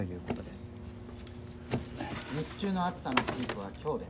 日中の暑さのピークは今日で。